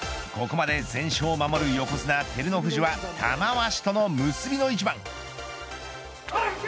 ここまで全勝を守る横綱、照ノ富士は玉鷲との結びの一番。